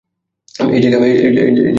এই জায়গা একদম বিপদমুক্ত।